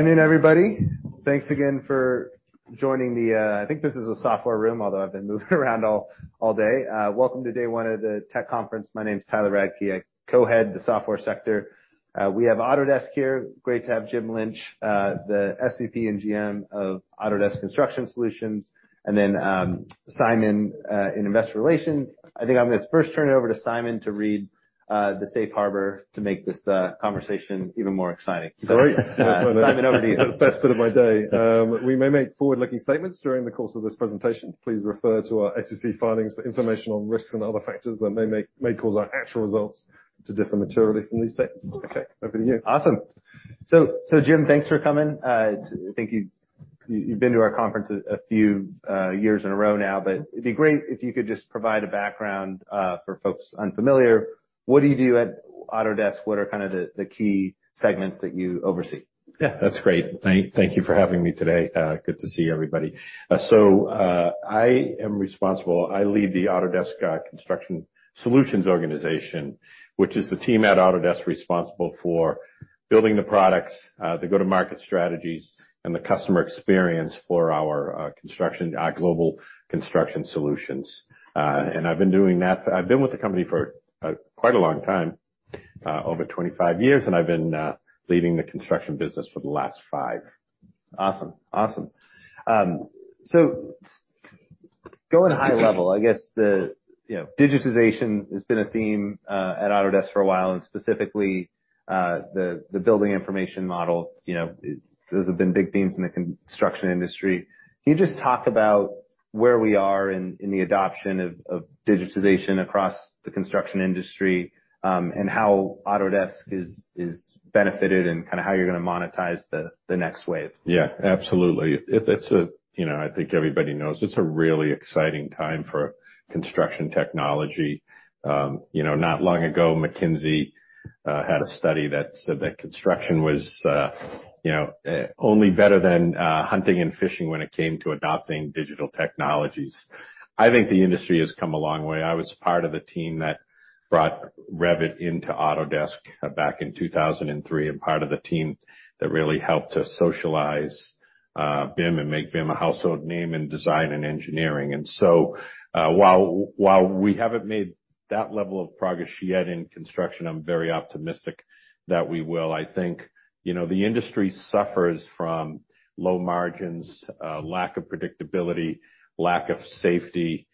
Good afternoon, everybody. Thanks again for joining me. I think this is a software room, although I've been moving around all day. Welcome to day one of the tech conference. My name is Tyler Radke. I co-head the software sector. We have Autodesk here. Great to have Jim Lynch, the SVP and GM of Autodesk Construction Solutions, and then, Simon, in Investor Relations. I think I'm going to first turn it over to Simon to read the safe harbor to make this conversation even more exciting. Sorry. Simon, over to you. The best bit of my day. We may make forward-looking statements during the course of this presentation. Please refer to our SEC filings for information on risks and other factors that may cause our actual results to differ materially from these statements. Okay, over to you. Awesome. So, Jim, thanks for coming. I think you've been to our conference a few years in a row now, but it'd be great if you could just provide a background for folks unfamiliar. What do you do at Autodesk? What are kind of the key segments that you oversee? Yeah, that's great. Thank you for having me today. Good to see everybody. So, I am responsible, I lead the Autodesk Construction Solutions organization, which is the team at Autodesk responsible for building the products, the go-to-market strategies, and the customer experience for our construction global construction solutions. And I've been doing that, I've been with the company for quite a long time, over 25 years, and I've been leading the construction business for the last five. Awesome. Awesome. So going high level, I guess the, you know, digitization has been a theme at Autodesk for a while, and specifically, the, the building information model. You know, those have been big themes in the construction industry. Can you just talk about where we are in, in the adoption of, of digitization across the construction industry, and how Autodesk is, is benefited, and kind of how you're going to monetize the, the next wave? Yeah, absolutely. It's a, you know, I think everybody knows it's a really exciting time for construction technology. You know, not long ago, McKinsey had a study that said that construction was, you know, only better than hunting and fishing when it came to adopting digital technologies. I think the industry has come a long way. I was part of the team that brought Revit into Autodesk back in 2003, and part of the team that really helped to socialize BIM and make BIM a household name in design and engineering. So, while we haven't made that level of progress yet in construction, I'm very optimistic that we will. I think, you know, the industry suffers from low margins, lack of predictability, lack of safety,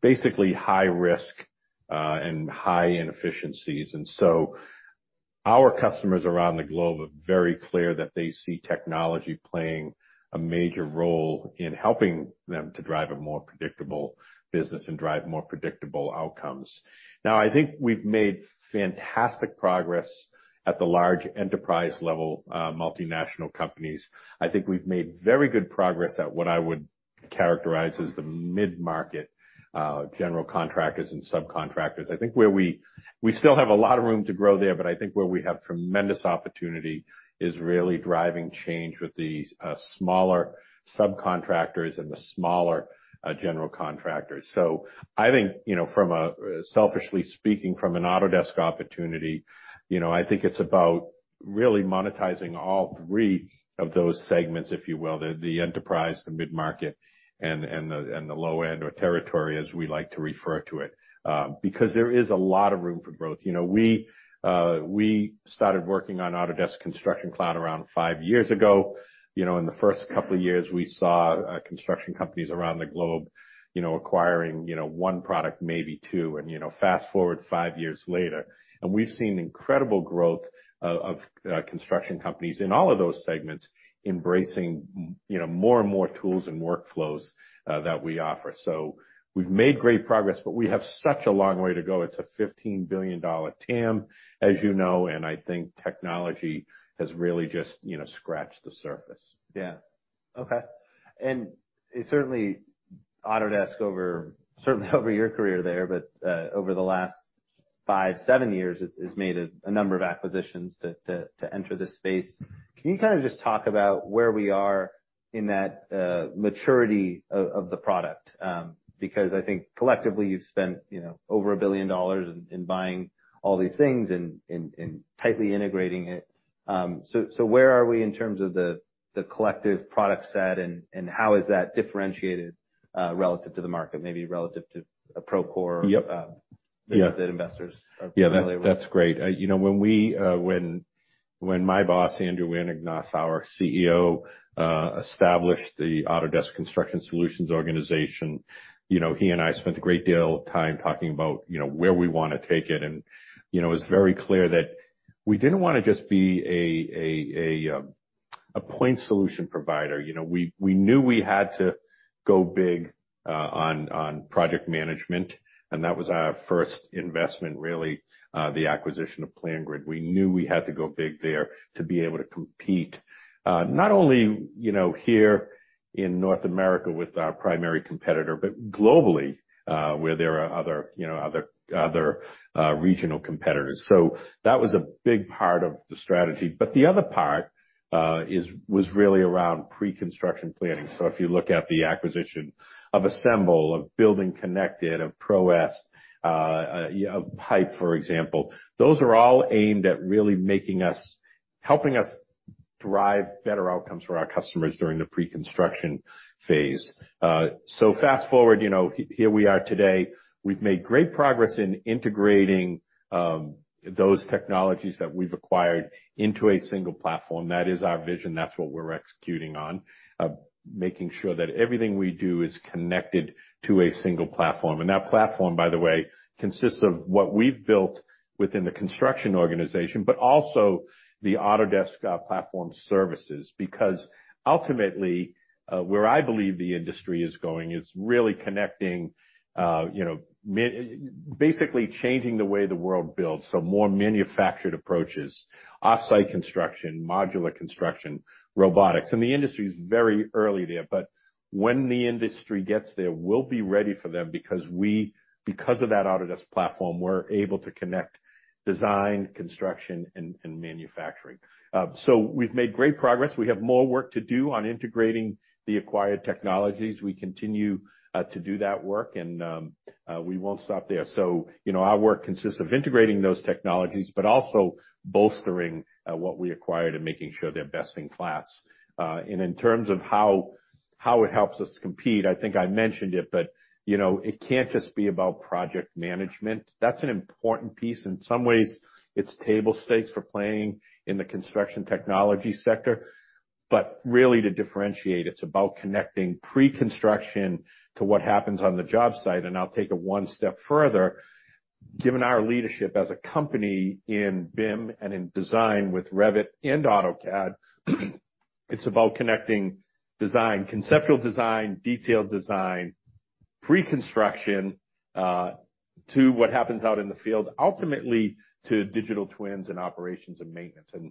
basically high risk, and high inefficiencies. And so our customers around the globe are very clear that they see technology playing a major role in helping them to drive a more predictable business and drive more predictable outcomes. Now, I think we've made fantastic progress at the large enterprise-level, multinational companies. I think we've made very good progress at what I would characterize as the mid-market, general contractors and subcontractors. I think where we still have a lot of room to grow there, but I think where we have tremendous opportunity is really driving change with the smaller subcontractors and the smaller general contractors. So I think, you know, from a, selfishly speaking, from an Autodesk opportunity, you know, I think it's about really monetizing all three of those segments, if you will. The enterprise, the mid-market, and the low end or territory, as we like to refer to it, because there is a lot of room for growth. You know, we started working on Autodesk Construction Cloud around five years ago. You know, in the first couple of years, we saw construction companies around the globe, you know, acquiring, you know, one product, maybe two. And, you know, fast-forward five years later, and we've seen incredible growth of construction companies in all of those segments, embracing more you know, more and more tools and workflows that we offer. So we've made great progress, but we have such a long way to go. It's a $15 billion TAM, as you know, and I think technology has really just, you know, scratched the surface. Yeah. Okay. And certainly Autodesk over, certainly over your career there, but over the last five, seven years, has made a number of acquisitions to enter this space. Can you kind of just talk about where we are in that maturity of the product? Because I think collectively you've spent, you know, over $1 billion in buying all these things and tightly integrating it. So where are we in terms of the collective product set, and how is that differentiated relative to the market? Maybe relative to a Procore- Yep. that investors are familiar with. Yeah, that's great. You know, when we, when my boss, Andrew Anagnost, our CEO, established the Autodesk Construction Solutions organization, you know, he and I spent a great deal of time talking about, you know, where we want to take it. And, you know, it was very clear that we didn't want to just be a point solution provider. You know, we knew we had to go big on project management, and that was our first investment, really, the acquisition of PlanGrid. We knew we had to go big there to be able to compete, not only, you know, here in North America with our primary competitor, but globally, where there are other, you know, other regional competitors. So that was a big part of the strategy. But the other part-... was really around pre-construction planning. So if you look at the acquisition of Assemble, of BuildingConnected, of ProEst, you know, of Pype, for example, those are all aimed at really helping us drive better outcomes for our customers during the pre-construction phase. So fast-forward, you know, here we are today. We've made great progress in integrating those technologies that we've acquired into a single platform. That is our vision. That's what we're executing on, making sure that everything we do is connected to a single platform. And that platform, by the way, consists of what we've built within the construction organization, but also the Autodesk Platform Services. Because ultimately, where I believe the industry is going is really connecting, you know, basically changing the way the world builds, so more manufactured approaches, off-site construction, modular construction, robotics. The industry is very early there, but when the industry gets there, we'll be ready for them because of that Autodesk platform, we're able to connect design, construction, and manufacturing. So we've made great progress. We have more work to do on integrating the acquired technologies. We continue to do that work, and we won't stop there. So, you know, our work consists of integrating those technologies, but also bolstering what we acquired and making sure they're best in class. And in terms of how it helps us compete, I think I mentioned it, but, you know, it can't just be about project management. That's an important piece. In some ways, it's table stakes for playing in the construction technology sector, but really, to differentiate, it's about connecting pre-construction to what happens on the job site. And I'll take it one step further. Given our leadership as a company in BIM and in design with Revit and AutoCAD, it's about connecting design, conceptual design, detailed design, pre-construction, to what happens out in the field, ultimately to digital twins and operations and maintenance. And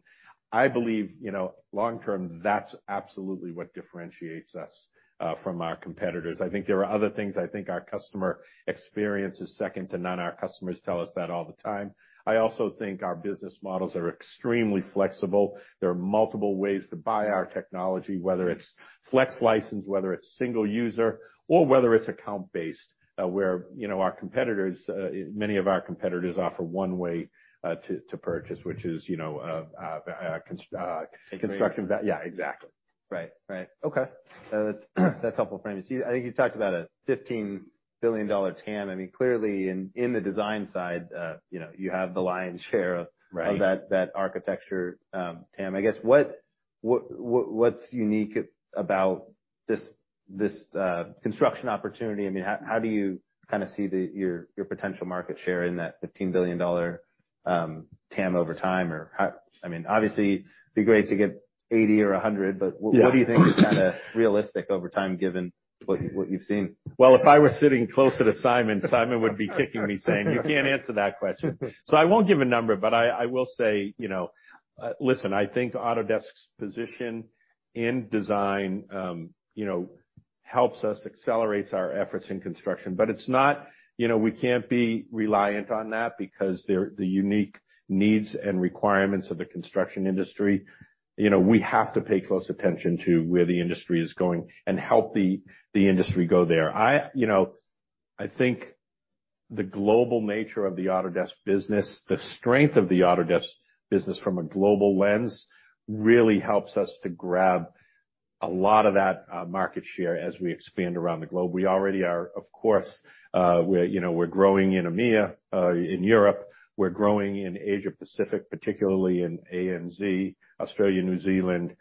I believe, you know, long term, that's absolutely what differentiates us from our competitors. I think there are other things. I think our customer experience is second to none. Our customers tell us that all the time. I also think our business models are extremely flexible. There are multiple ways to buy our technology, whether it's Flex license, whether it's single user, or whether it's account-based, where, you know, our competitors, many of our competitors offer one way to purchase, which is, you know. Construction. Construction. Yeah, exactly. Right. Right. Okay. That's helpful frame. You see, I think you talked about a $15 billion TAM. I mean, clearly in the design side, you know, you have the lion's share of- Right... of that, that architecture TAM. I guess, what's unique about this construction opportunity? I mean, how do you kind of see your potential market share in that $15 billion TAM over time? Or how... I mean, obviously, it'd be great to get 80 or 100, but- Yeah. What do you think is kind of realistic over time, given what you've seen? Well, if I were sitting closer to Simon, Simon would be kicking me, saying, "You can't answer that question." So I won't give a number, but I, I will say, you know, listen, I think Autodesk's position in design, you know, helps us, accelerates our efforts in construction, but it's not, you know, we can't be reliant on that because there, the unique needs and requirements of the construction industry, you know, we have to pay close attention to where the industry is going and help the, the industry go there. I, you know, I think the global nature of the Autodesk business, the strength of the Autodesk business from a global lens, really helps us to grab a lot of that, market share as we expand around the globe. We already are, of course, we're, you know, we're growing in EMEA, in Europe. We're growing in Asia Pacific, particularly in ANZ, Australia, New Zealand,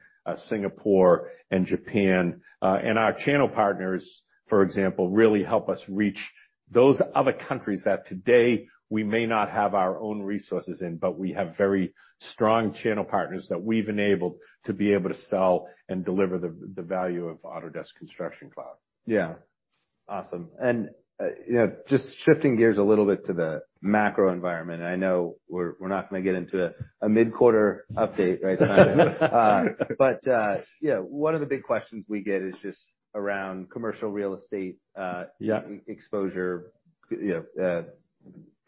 Singapore, and Japan. And our channel partners, for example, really help us reach those other countries that today we may not have our own resources in, but we have very strong channel partners that we've enabled to be able to sell and deliver the value of Autodesk Construction Cloud. Yeah. Awesome. And, you know, just shifting gears a little bit to the macro environment, I know we're not going to get into a mid-quarter update right, Simon? But, yeah, one of the big questions we get is just around commercial real estate. Yeah... exposure, you know,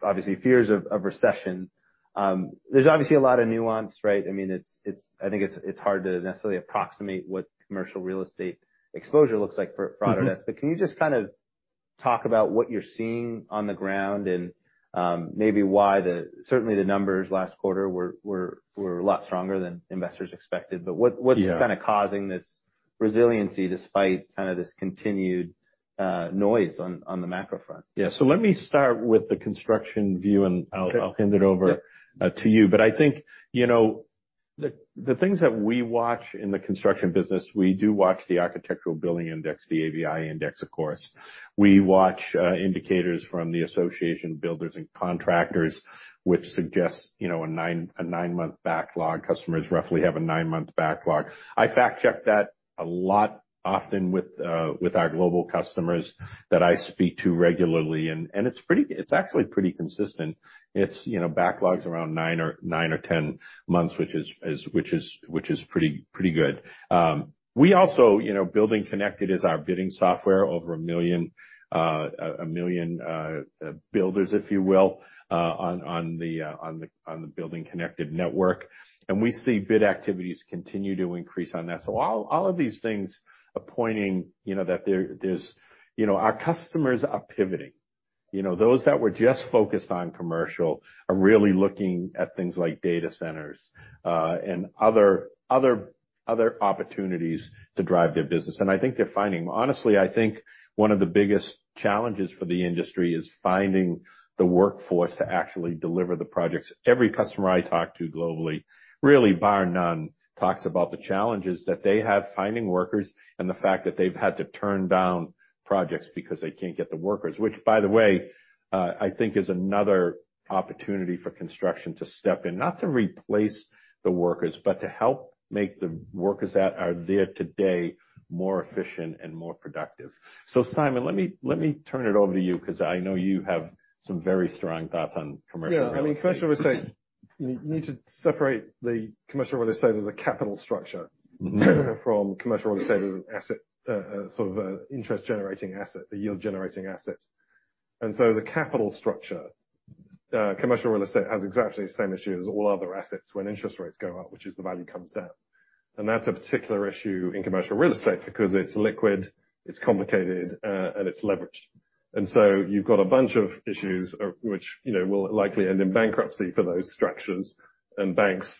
obviously fears of recession. There's obviously a lot of nuance, right? I mean, it's hard to necessarily approximate what commercial real estate exposure looks like for Autodesk. Mm-hmm. Can you just kind of talk about what you're seeing on the ground and, maybe why the... Certainly, the numbers last quarter were a lot stronger than investors expected. Yeah. What's kind of causing this resiliency, despite kind of this continued noise on the macro front? Yeah. So let me start with the construction view, and I'll- Okay. I'll hand it over- Yep... to you. But I think, you know, the things that we watch in the construction business, we do watch the Architecture Billings Index, the ABI index, of course. We watch indicators from the Associated Builders and Contractors, which suggests, you know, a nine-month backlog. Customers roughly have a nine-month backlog. I fact-check that a lot, often with our global customers that I speak to regularly, and it's pretty. It's actually pretty consistent. It's, you know, backlogs around nine or 10 months, which is pretty good. We also, you know, BuildingConnected is our bidding software, over one million builders, if you will, on the BuildingConnected network, and we see bid activities continue to increase on that. So all of these things are pointing, you know, that there's... You know, our customers are pivoting.... You know, those that were just focused on commercial are really looking at things like data centers, and other, other, other opportunities to drive their business. And I think they're finding them. Honestly, I think one of the biggest challenges for the industry is finding the workforce to actually deliver the projects. Every customer I talk to globally, really bar none, talks about the challenges that they have finding workers, and the fact that they've had to turn down projects because they can't get the workers. Which, by the way, I think is another opportunity for construction to step in, not to replace the workers, but to help make the workers that are there today more efficient and more productive. So Simon, let me, let me turn it over to you, because I know you have some very strong thoughts on commercial real estate. Yeah, I mean, first I would say, you need to separate the commercial real estate as a capital structure- Mm-hmm. -from commercial real estate as an asset, sort of an interest-generating asset, a yield-generating asset. And so as a capital structure, commercial real estate has exactly the same issue as all other assets when interest rates go up, which is the value comes down. And that's a particular issue in commercial real estate because it's liquid, it's complicated, and it's leveraged. And so you've got a bunch of issues which, you know, will likely end in bankruptcy for those structures. And banks,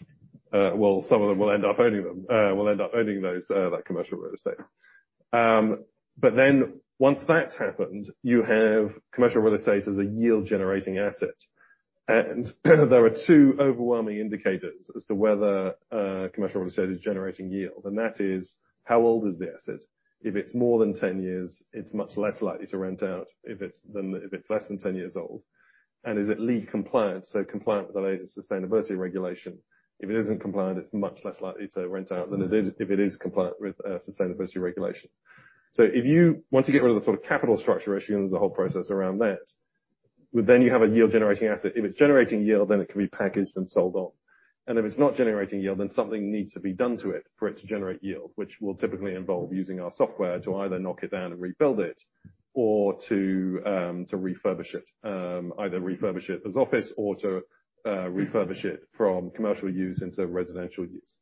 well, some of them will end up owning them, will end up owning those, that commercial real estate. But then once that's happened, you have commercial real estate as a yield-generating asset. And there are two overwhelming indicators as to whether, commercial real estate is generating yield, and that is: how old is the asset? If it's more than 10 years, it's much less likely to rent out if it's than if it's less than 10 years old. And is it LEED compliant, so compliant with the latest sustainability regulation? If it isn't compliant, it's much less likely to rent out than it is if it is compliant with sustainability regulation. Once you get rid of the sort of capital structure issue and the whole process around that, well, then you have a yield-generating asset. If it's generating yield, then it can be packaged and sold on. And if it's not generating yield, then something needs to be done to it for it to generate yield, which will typically involve using our software to either knock it down and rebuild it or to refurbish it. Either refurbish it as office or to refurbish it from commercial use into residential use.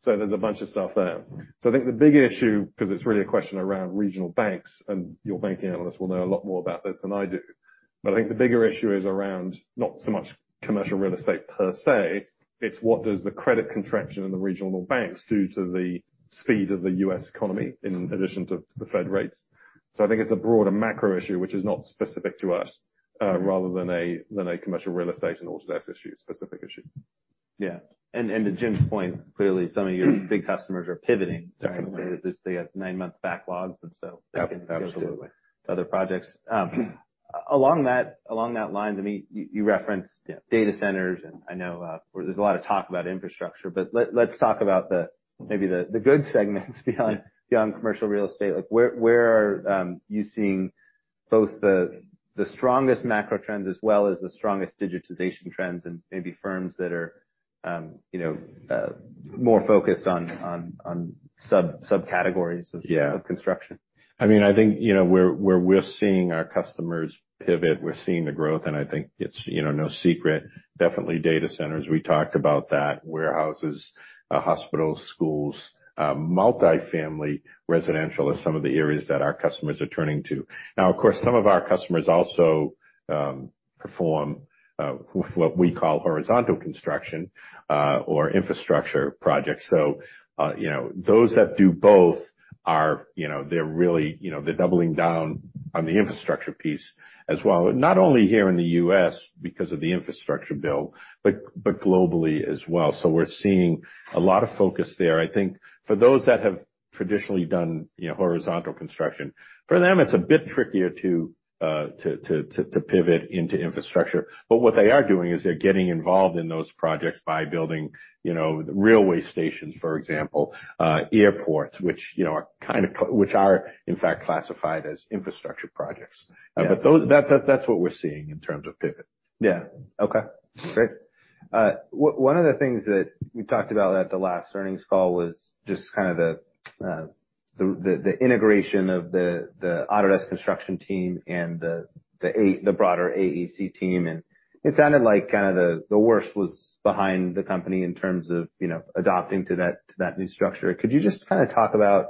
So there's a bunch of stuff there. So I think the big issue, because it's really a question around regional banks, and your banking analysts will know a lot more about this than I do, but I think the bigger issue is around not so much commercial real estate per se; it's what does the credit contraction in the regional banks do to the speed of the U.S. economy, in addition to the Fed rates? So I think it's a broader macro issue, which is not specific to us, rather than a commercial real estate and Autodesk issue, specific issue. Yeah. And, and to Jim's point, clearly, some of your big customers are pivoting. Definitely. They have nine-month backlogs, and so. Absolutely. Other projects. Along that line, I mean, you, you referenced- Yeah. Data centers, and I know, there's a lot of talk about infrastructure, but let's talk about maybe the good segments behind, beyond commercial real estate. Like, where, are you seeing both the strongest macro trends, as well as the strongest digitization trends and maybe firms that are, you know, more focused on subcategories of- Yeah... of construction? I mean, I think, you know, where, where we're seeing our customers pivot, we're seeing the growth, and I think it's, you know, no secret. Definitely data centers, we talked about that. Warehouses, hospitals, schools, multifamily residential are some of the areas that our customers are turning to. Now, of course, some of our customers also perform what we call horizontal construction or infrastructure projects. So, you know, those that do both are, you know, they're really, you know, they're doubling down on the infrastructure piece as well. Not only here in the U.S. because of the infrastructure bill, but, but globally as well. So we're seeing a lot of focus there. I think for those that have traditionally done, you know, horizontal construction, for them, it's a bit trickier to pivot into infrastructure. But what they are doing is they're getting involved in those projects by building, you know, railway stations, for example, airports, which, you know, are in fact classified as infrastructure projects. Yeah. But that, that, that's what we're seeing in terms of pivot. Yeah. Okay, great. One of the things that you talked about at the last earnings call was just kind of the integration of the Autodesk construction team and the broader AEC team, and it sounded like kind of the worst was behind the company in terms of, you know, adapting to that new structure. Could you just kind of talk about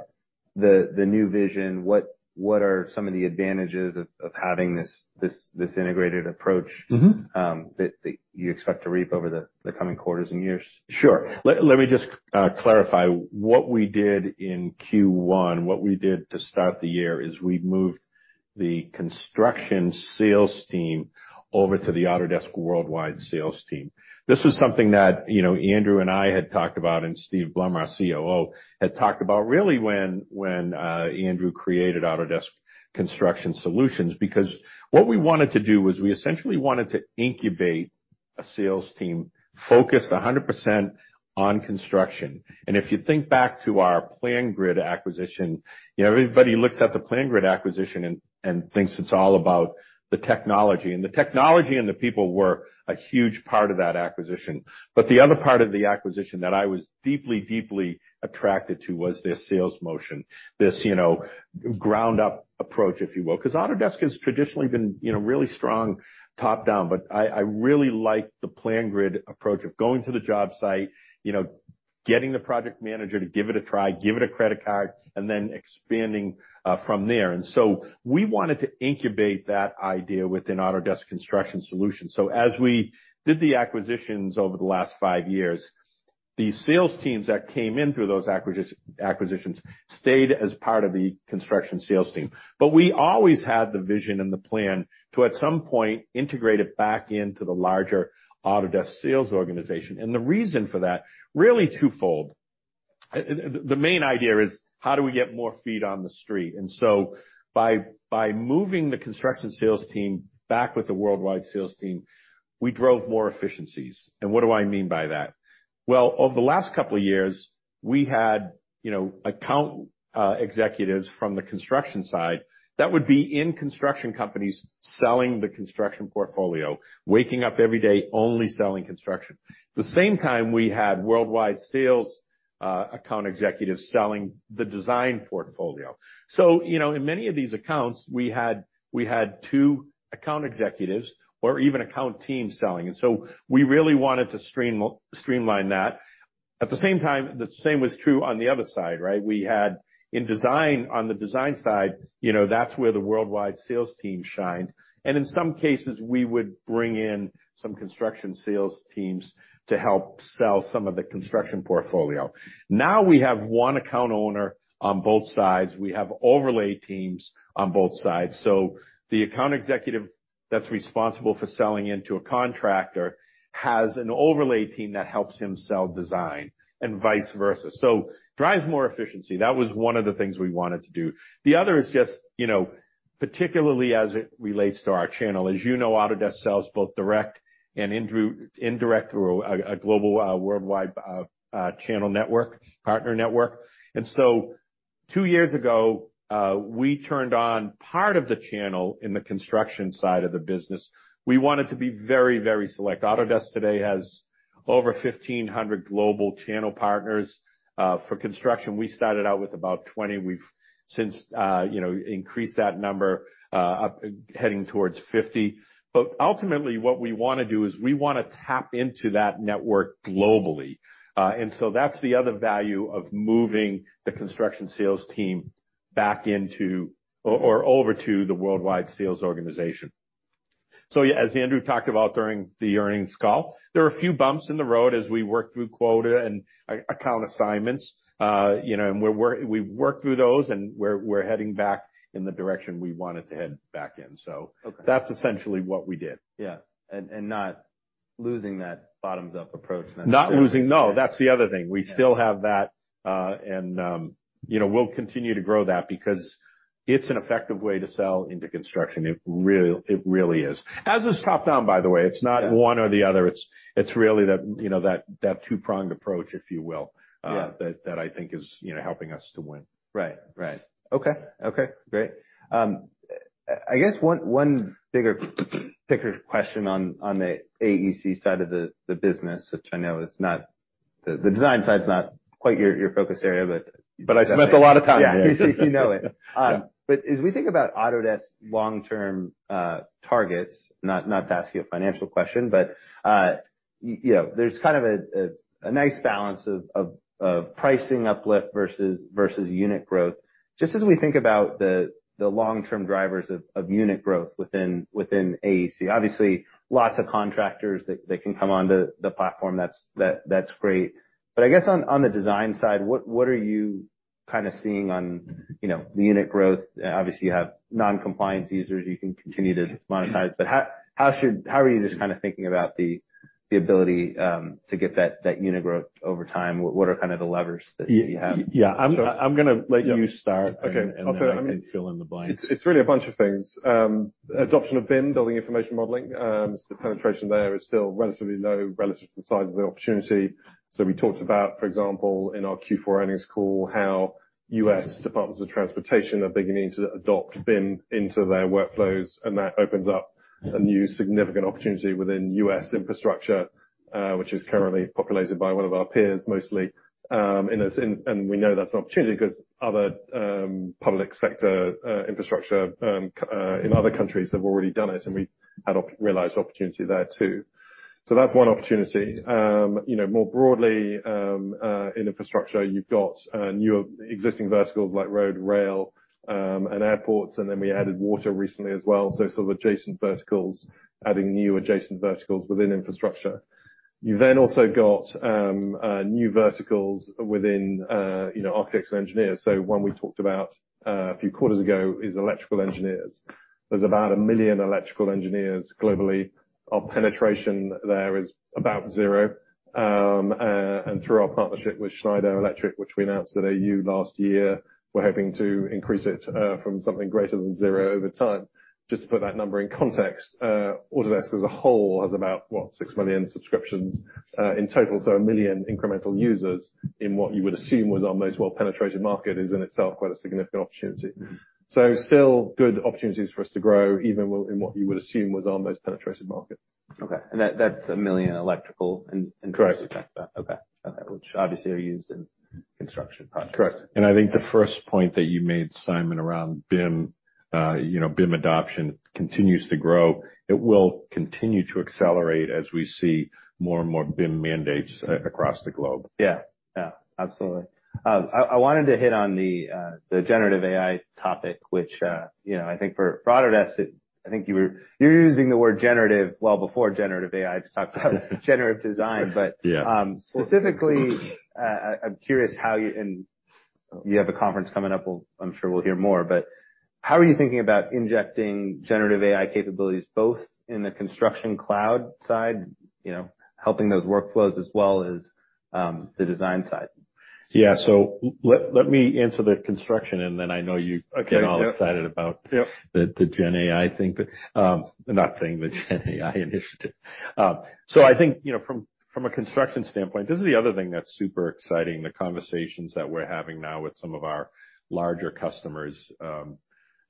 the new vision? What are some of the advantages of having this integrated approach? Mm-hmm... that you expect to reap over the coming quarters and years? Sure. Let me just clarify. What we did in Q1, what we did to start the year, is we moved the construction sales team over to the Autodesk worldwide sales team. This was something that, you know, Andrew and I had talked about, and Steve Blum, our COO, had talked about, really when Andrew created Autodesk Construction Solutions. Because what we wanted to do was we essentially wanted to incubate a sales team focused 100% on construction. And if you think back to our PlanGrid acquisition, you know, everybody looks at the PlanGrid acquisition and thinks it's all about the technology, and the technology and the people were a huge part of that acquisition. But the other part of the acquisition that I was deeply, deeply attracted to was their sales motion, this, you know, ground up approach, if you will, because Autodesk has traditionally been, you know, really strong, top down. But I really like the PlanGrid approach of going to the job site, you know- ... getting the project manager to give it a try, give it a credit card, and then expanding from there. And so we wanted to incubate that idea within Autodesk Construction Solutions. So as we did the acquisitions over the last five years, the sales teams that came in through those acquisitions stayed as part of the construction sales team. But we always had the vision and the plan to, at some point, integrate it back into the larger Autodesk sales organization. And the reason for that, really twofold. The main idea is: How do we get more feet on the street? And so by moving the construction sales team back with the worldwide sales team, we drove more efficiencies. And what do I mean by that? Well, over the last couple of years, we had, you know, account executives from the construction side that would be in construction companies selling the construction portfolio, waking up every day, only selling construction. The same time, we had worldwide sales account executives selling the design portfolio. So, you know, in many of these accounts, we had two account executives or even account teams selling, and so we really wanted to streamline that. At the same time, the same was true on the other side, right? We had in design, on the design side, you know, that's where the worldwide sales team shined. And in some cases, we would bring in some construction sales teams to help sell some of the construction portfolio. Now, we have one account owner on both sides. We have overlay teams on both sides. So the account executive that's responsible for selling into a contractor has an overlay team that helps him sell design and vice versa. So drives more efficiency. That was one of the things we wanted to do. The other is just, you know, particularly as it relates to our channel. As you know, Autodesk sells both direct and indirect through a global, worldwide channel network, partner network. And so two years ago, we turned on part of the channel in the construction side of the business. We wanted to be very, very select. Autodesk today has over 1,500 global channel partners. For construction, we started out with about 20. We've since, you know, increased that number up heading towards 50. But ultimately, what we wanna do is we wanna tap into that network globally. And so that's the other value of moving the construction sales team back into or over to the worldwide sales organization. So as Andrew talked about during the earnings call, there are a few bumps in the road as we work through quota and account assignments. You know, and we've worked through those, and we're heading back in the direction we wanted to head back in. So- Okay. That's essentially what we did. Yeah, and not losing that bottoms-up approach then. Not losing, no. That's the other thing. Yeah. We still have that, and you know, we'll continue to grow that because it's an effective way to sell into construction. It really is. As is top-down, by the way. Yeah. It's not one or the other. It's, it's really that, you know, two-pronged approach, if you will- Yeah... that I think is, you know, helping us to win. Right. Right. Okay. Okay, great. I guess one bigger question on the AEC side of the business, which I know is not. The design side is not quite your focus area, but- But I spent a lot of time there. Yeah, you know it. Yeah. But as we think about Autodesk's long-term targets, not to ask you a financial question, but you know, there's kind of a nice balance of pricing uplift versus unit growth. Just as we think about the long-term drivers of unit growth within AEC. Obviously, lots of contractors that they can come onto the platform, that's great. But I guess on the design side, what are you kind of seeing on, you know, the unit growth? Obviously, you have non-compliance users you can continue to monetize, but how are you just kind of thinking about the ability to get that unit growth over time? What are kind of the levers that you have? Yeah. I'm gonna let you start- Okay. And then, I can fill in the blanks. It's, it's really a bunch of things. Adoption of BIM, building information modeling, the penetration there is still relatively low relative to the size of the opportunity. So we talked about, for example, in our Q4 earnings call, how U.S. Departments of Transportation are beginning to adopt BIM into their workflows, and that opens up a new significant opportunity within U.S. infrastructure, which is currently populated by one of our peers, mostly. And we know that's an opportunity because other public sector infrastructure in other countries have already done it, and we had a realized opportunity there, too. So that's one opportunity. You know, more broadly, in infrastructure, you've got new existing verticals like road, rail, and airports, and then we added water recently as well, so sort of adjacent verticals, adding new adjacent verticals within infrastructure. You've then also got new verticals within, you know, architects and engineers. So one we talked about a few quarters ago is electrical engineers. There's about one million electrical engineers globally. Our penetration there is about zero. And through our partnership with Schneider Electric, which we announced at AU last year, we're hoping to increase it from something greater than zero over time. Just to put that number in context, Autodesk, as a whole, has about, what, six million subscriptions in total. one million incremental users in what you would assume was our most well-penetrated market is in itself quite a significant opportunity. Still good opportunities for us to grow, even in what you would assume was our most penetrated market. Okay. And that's one million electrical and- Correct. Okay. Okay. Which obviously are used in construction projects. Correct. I think the first point that you made, Simon, around BIM, you know, BIM adoption continues to grow. It will continue to accelerate as we see more and more BIM mandates across the globe. Yeah. Yeah, absolutely. I wanted to hit on the Generative AI topic, which, you know, I think for Autodesk, I think you were using the word generative well before Generative AI, to talk about generative design, but- Yeah. Specifically, I'm curious how you... And you have a conference coming up, well, I'm sure we'll hear more, but how are you thinking about injecting generative AI capabilities, both in the Construction Cloud side, you know, helping those workflows, as well as the design side? Yeah. So let me answer the construction, and then I know you- Okay. -get all excited about- Yep the GenAI initiative. So I think, you know, from a construction standpoint, this is the other thing that's super exciting, the conversations that we're having now with some of our larger customers.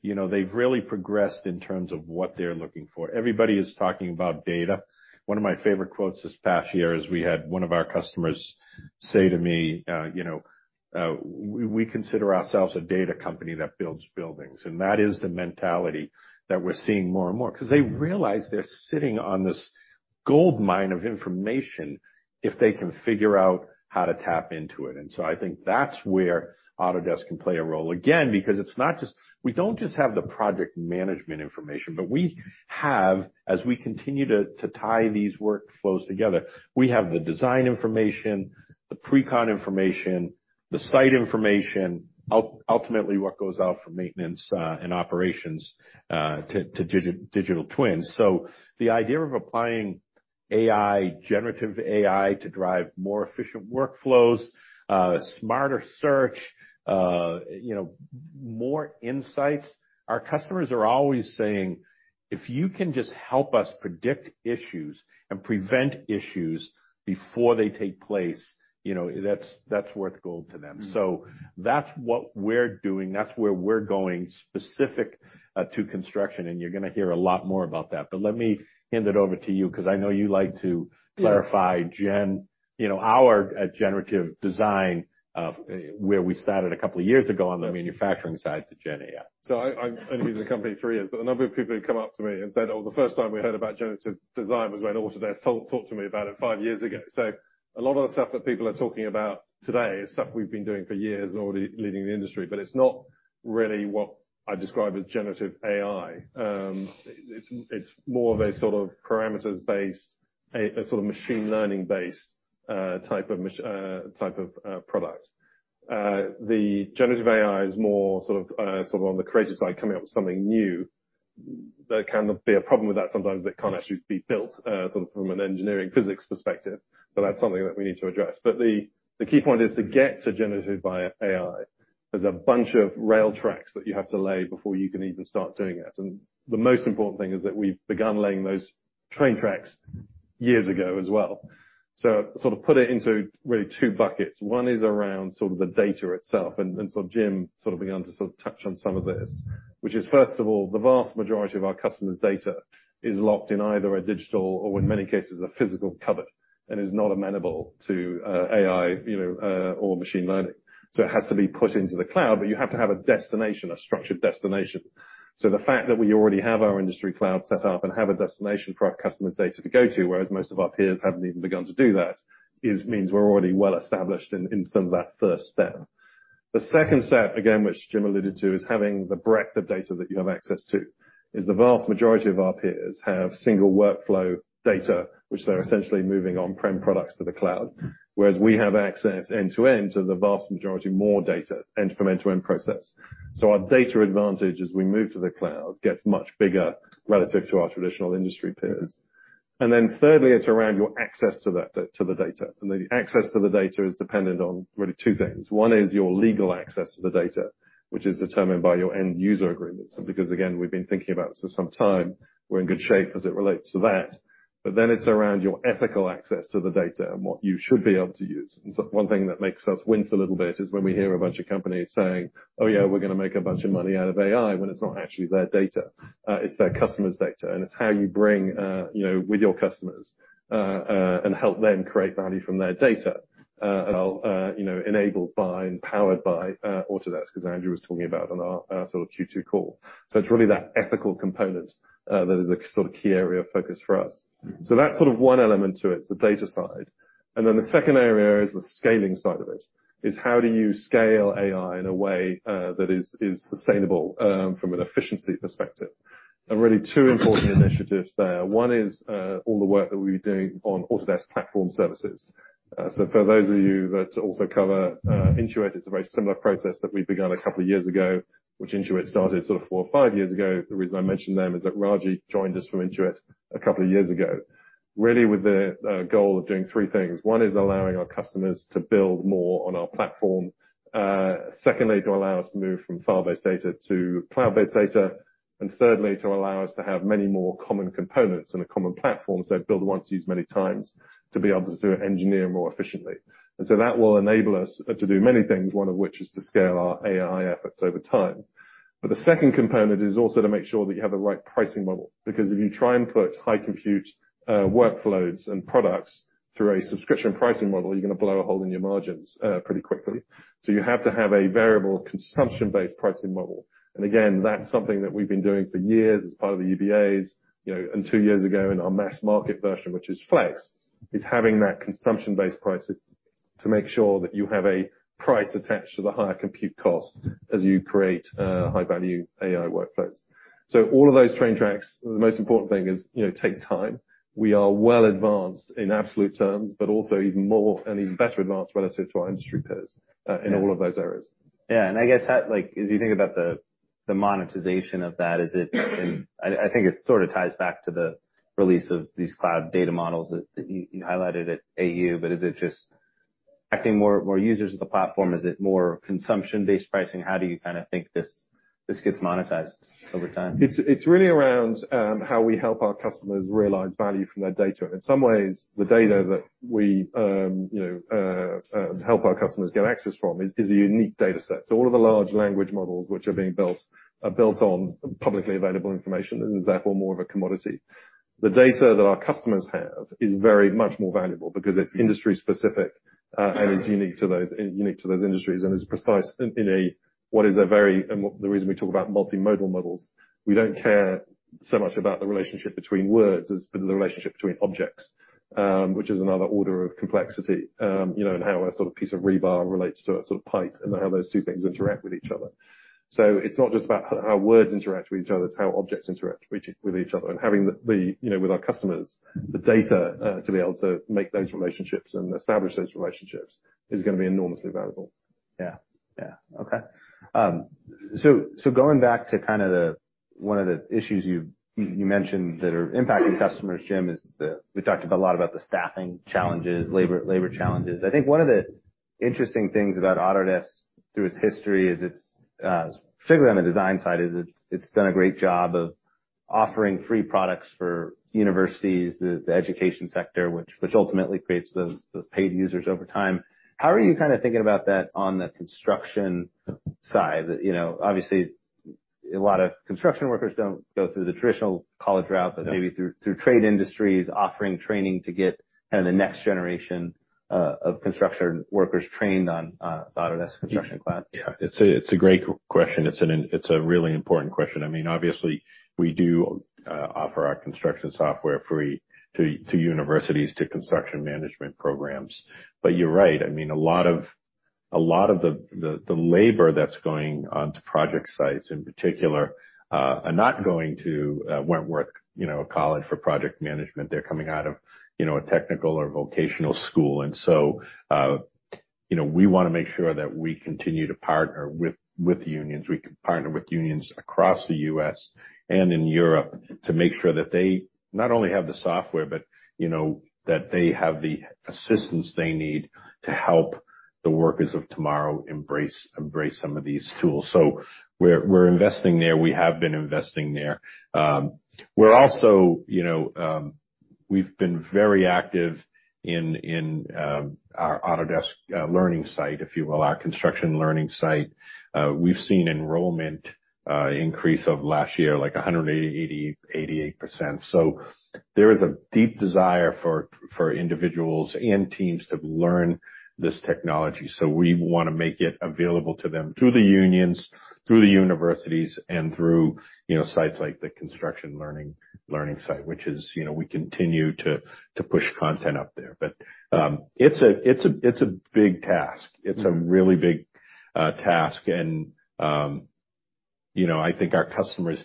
You know, they've really progressed in terms of what they're looking for. Everybody is talking about data. One of my favorite quotes this past year is, we had one of our customers say to me, "We consider ourselves a data company that builds buildings." And that is the mentality that we're seeing more and more. 'Cause they realize they're sitting on this goldmine of information if they can figure out how to tap into it. I think that's where Autodesk can play a role, again, because it's not just we don't just have the project management information, but we have, as we continue to tie these workflows together, we have the design information, the pre-con information, the site information, ultimately, what goes out for maintenance and operations to Digital Twins. So the idea of applying AI, generative AI, to drive more efficient workflows, smarter search, you know, more insights, our customers are always saying, "If you can just help us predict issues and prevent issues before they take place," you know, that's worth gold to them. Mm-hmm. So that's what we're doing. That's where we're going, specific to construction, and you're gonna hear a lot more about that. But let me hand it over to you, 'cause I know you like to- Yes... clarify gen, you know, our Generative Design, where we started a couple of years ago on the manufacturing side to GenAI. So, I've only been in the company three years, but a number of people who come up to me and said, "Oh, the first time we heard about generative design was when Autodesk talked to me about it five years ago." So a lot of the stuff that people are talking about today is stuff we've been doing for years, already leading the industry, but it's not really what I'd describe as generative AI. It's more of a sort of parameters-based, sort of machine learning-based type of product. The generative AI is more sort of on the creative side, coming up with something new. There can be a problem with that sometimes, that can't actually be built, sort of from an engineering, physics perspective, but that's something that we need to address. But the, the key point is to get to generative by AI, there's a bunch of rail tracks that you have to lay before you can even start doing it. And the most important thing is that we've begun laying those train tracks years ago as well. So sort of put it into really two buckets. One is around sort of the data itself, and, and so Jim sort of began to sort of touch on some of this, which is, first of all, the vast majority of our customers' data is locked in either a digital or, in many cases, a physical cupboard, and is not amenable to, AI, you know, or machine learning. So it has to be put into the cloud, but you have to have a destination, a structured destination. So the fact that we already have our industry cloud set up and have a destination for our customers' data to go to, whereas most of our peers haven't even begun to do that, it means we're already well established in some of that first step. The second step, again, which Jim alluded to, is having the breadth of data that you have access to. The vast majority of our peers have single workflow data, which they're essentially moving on-prem products to the cloud, whereas we have access end-to-end to the vast majority more data, end-to-end process. So our data advantage as we move to the cloud gets much bigger relative to our traditional industry peers. And then thirdly, it's around your access to the data, and the access to the data is dependent on really two things. One is your legal access to the data, which is determined by your end user agreements, because, again, we've been thinking about this for some time. We're in good shape as it relates to that. But then it's around your ethical access to the data and what you should be able to use. And so one thing that makes us wince a little bit is when we hear a bunch of companies saying, "Oh, yeah, we're gonna make a bunch of money out of AI," when it's not actually their data, it's their customers' data. And it's how you bring, you know, with your customers, and help them create value from their data, you know, enabled by and powered by, Autodesk, because Andrew was talking about on our sort of Q2 call. It's really that ethical component that is a sort of key area of focus for us. So that's sort of one element to it, the data side. And then the second area is the scaling side of it, is how do you scale AI in a way, that is sustainable, from an efficiency perspective? There are really two important initiatives there. One is, all the work that we'll be doing on Autodesk Platform Services. So for those of you that also cover, Intuit, it's a very similar process that we began a couple of years ago, which Intuit started sort of four or five years ago. The reason I mention them is that Raji joined us from Intuit a couple of years ago, really with the, goal of doing three things. One is allowing our customers to build more on our platform. Secondly, to allow us to move from file-based data to cloud-based data. And thirdly, to allow us to have many more common components and a common platform, so build once, use many times, to be able to engineer more efficiently. And so that will enable us to do many things, one of which is to scale our AI efforts over time. But the second component is also to make sure that you have the right pricing model, because if you try and put high compute workflows and products through a subscription pricing model, you're gonna blow a hole in your margins pretty quickly. So you have to have a variable consumption-based pricing model. And again, that's something that we've been doing for years as part of the EBAs, you know, and two years ago, in our mass market version, which is Flex, is having that consumption-based pricing to make sure that you have a price attached to the higher compute cost as you create, high-value AI workflows. So all of those train tracks, the most important thing is, you know, take time. We are well advanced in absolute terms, but also even more and even better advanced relative to our industry peers, in all of those areas. Yeah, and I guess that, like, as you think about the monetization of that, is it – and I think it sort of ties back to the release of these cloud data models that you highlighted at AU, but is it just attracting more users to the platform? Is it more consumption-based pricing? How do you kind of think this gets monetized over time? It's really around how we help our customers realize value from their data. In some ways, the data that we you know help our customers get access from is a unique data set. So all of the large language models which are being built are built on publicly available information and is therefore more of a commodity. The data that our customers have is very much more valuable because it's industry specific and is unique to those unique to those industries and is precise in what is a very... And what the reason we talk about multimodal models, we don't care so much about the relationship between words as the relationship between objects which is another order of complexity. You know, and how a sort of piece of rebar relates to a sort of pipe, and how those two things interact with each other. So it's not just about how words interact with each other, it's how objects interact with each other. And having the, you know, with our customers, the data to be able to make those relationships and establish those relationships is gonna be enormously valuable. Yeah. Yeah. Okay. So going back to kind of the one of the issues you mentioned that are impacting customers, Jim, is the—we've talked about a lot about the staffing challenges, labor challenges. I think one of the interesting things about Autodesk, through its history, is it's particularly on the design side, it's done a great job of offering free products for universities, the education sector, which ultimately creates those paid users over time. How are you kind of thinking about that on the construction side? You know, obviously, a lot of construction workers don't go through the traditional college route— Yeah. But maybe through trade industries, offering training to get kind of the next generation of construction workers trained on Autodesk Construction Cloud. Yeah, it's a great question. It's a really important question. I mean, obviously, we do offer our construction software free to universities, to construction management programs. But you're right, I mean, a lot of the labor that's going onto project sites, in particular, are not going to Wentworth College for project management. They're coming out of a technical or vocational school. So we wanna make sure that we continue to partner with unions. We partner with unions across the U.S. and in Europe to make sure that they not only have the software but that they have the assistance they need to help the workers of tomorrow embrace some of these tools. So we're investing there. We have been investing there. We're also, you know, we've been very active in, in, our Autodesk learning site, if you will, our construction learning site. We've seen enrollment increase of last year, like 188%. So there is a deep desire for individuals and teams to learn this technology. So we wanna make it available to them, through the unions, through the universities, and through, you know, sites like the construction learning site, which is, you know, we continue to push content up there. But it's a big task. It's a really big task, and you know, I think our customers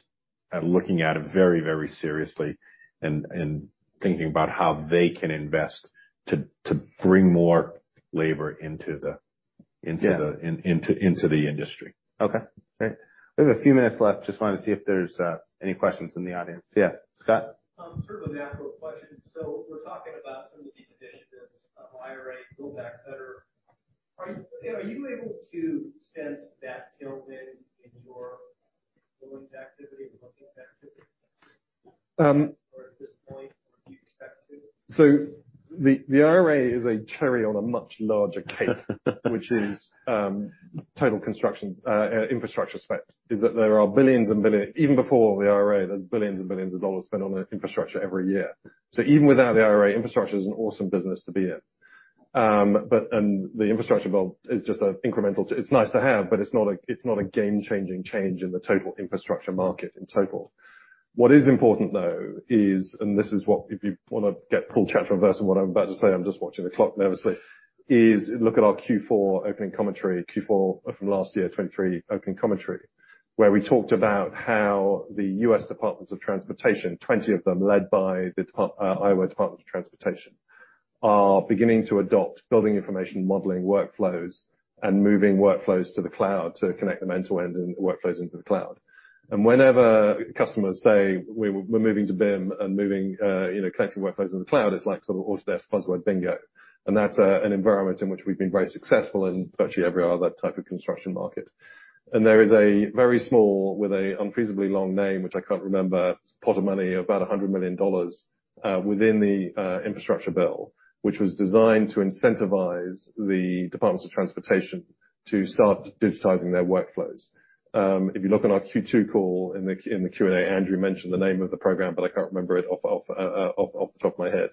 are looking at it very, very seriously and thinking about how they can invest to bring more labor into the- Yeah. into the industry. Okay, great. We have a few minutes left. Just wanted to see if there's any questions from the audience. Yeah, Scott? Sort of a natural question. So we're talking about some of these initiatives, IRA, Build Back Better. Are, you know, are you able to sense that tilt then in your billings activity or booking activity? Um- So the IRA is a cherry on a much larger cake. Which is total construction infrastructure spend, is that there are $billions and billions. Even before the IRA, there's $billions and billions spent on infrastructure every year. So even without the IRA, infrastructure is an awesome business to be in. But the infrastructure bill is just an incremental to it, it's nice to have, but it's not a game-changing change in the total infrastructure market in total. What is important, though, is, and this is what... If you wanna get, pull Chatroulette from what I'm about to say, I'm just watching the clock nervously, is look at our Q4 opening commentary, Q4 from last year, 2023 opening commentary, where we talked about how the U.S. Department of Transportation, 20 of them, led by the Department, Iowa Department of Transportation, are beginning to adopt building information modeling workflows and moving workflows to the cloud to connect them end to end and workflows into the cloud. And whenever customers say, "We're moving to BIM and moving, you know, connecting workflows in the cloud," it's like sort of Autodesk puzzle and bingo. And that's an environment in which we've been very successful in virtually every other type of construction market. There is a very small, with a unfeasibly long name, which I can't remember, pot of money, about $100 million, within the infrastructure bill, which was designed to incentivize the Departments of Transportation to start digitizing their workflows. If you look on our Q2 call in the Q&A, Andrew mentioned the name of the program, but I can't remember it off the top of my head.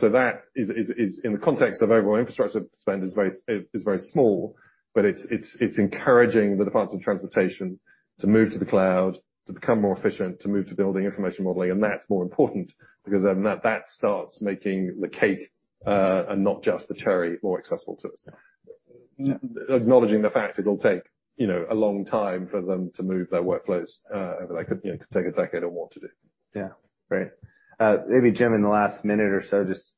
So that is in the context of overall infrastructure spend, is very small, but it's encouraging the Department of Transportation to move to the cloud, to become more efficient, to move to Building Information Modeling. And that's more important because then that starts making the cake, and not just the cherry, more accessible to us. Acknowledging the fact it'll take, you know, a long time for them to move their workflows, but that could, you know, could take a decade or more to do. Yeah. Great. Maybe, Jim, in the last minute or so, just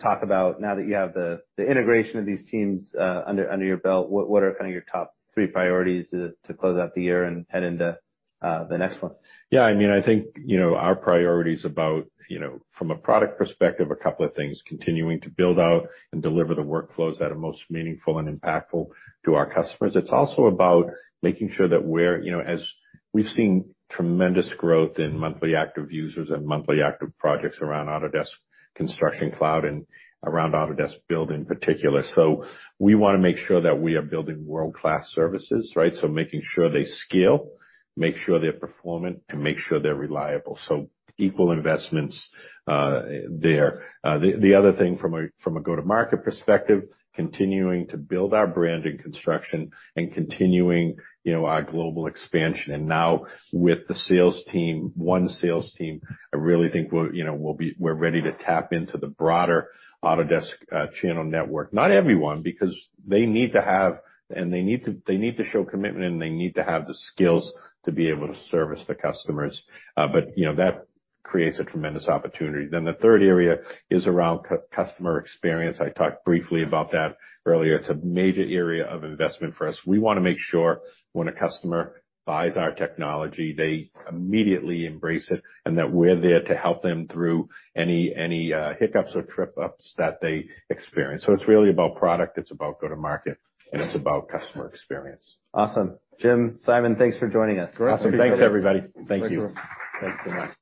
talk about now that you have the integration of these teams under your belt, what are kind of your top three priorities to close out the year and head into the next one? Yeah, I mean, I think, you know, our priority is about, you know, from a product perspective, a couple of things, continuing to build out and deliver the workflows that are most meaningful and impactful to our customers. It's also about making sure that we're, you know, as we've seen tremendous growth in monthly active users and monthly active projects around Autodesk Construction Cloud and around Autodesk Build, in particular. So we wanna make sure that we are building world-class services, right? So making sure they scale, make sure they're performant, and make sure they're reliable. So equal investments there. The other thing from a go-to-market perspective, continuing to build our brand in construction and continuing, you know, our global expansion. And now with the sales team, one sales team, I really think, we'll, you know, we'll be- we're ready to tap into the broader Autodesk channel network. Not everyone, because they need to have, and they need to, they need to show commitment, and they need to have the skills to be able to service the customers. But, you know, that creates a tremendous opportunity. Then the third area is around customer experience. I talked briefly about that earlier. It's a major area of investment for us. We wanna make sure when a customer buys our technology, they immediately embrace it, and that we're there to help them through any, uh, hiccups or trip ups that they experience. So it's really about product, it's about go-to-market, and it's about customer experience. Awesome. Jim, Simon, thanks for joining us. Great. Awesome. Thanks, everybody. Thank you. Thanks so much.